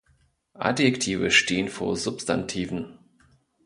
Adjektive stehen vor Substantiven.